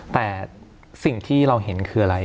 แต่สิ่งที่เราเห็นคืออะไร